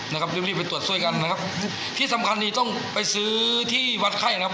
นะครับรีบรีบไปตรวจช่วยกันนะครับที่สำคัญนี่ต้องไปซื้อที่วัดไข้นะครับ